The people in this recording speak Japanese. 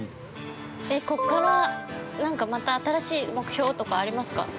えっ、ここから、なんかまた、新しい目標とかありますか。